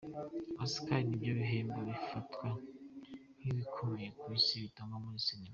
Oscars” ni byo bihembo bifatwa nk’ibikomeye ku isi bitangwa muri Sinema.